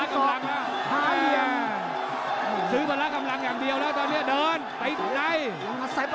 ตอนนี้มันถึง๓